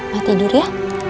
mak tidur ya